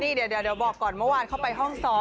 นี่เดี๋ยวบอกก่อนเมื่อวานเข้าไปห้องซ้อม